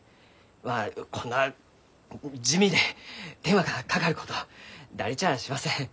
まあこんな地味で手間がかかること誰ちゃあしません。